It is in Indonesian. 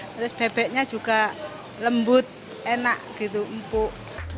terus bebeknya juga lembut enak gitu empuk